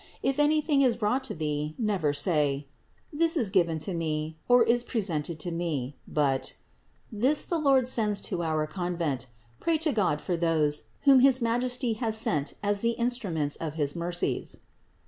If anything is brought to thee, never say: "This is given to me, or is presented to me;" but "This the Lord sends to our con vent; pray to God for those, whom his Majesty has sent as the instruments of his mercies."